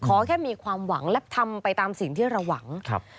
ขอแค่มีความหวังและทำไปตามสิ่งที่เราหวังครับ